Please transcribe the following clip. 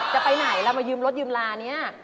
จะไปไหนเรามายืมรถยืมลานี้